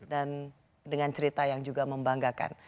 dan dengan cerita yang juga membanggakan